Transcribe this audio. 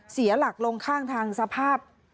เสียหลักลงข้างทางสภาพ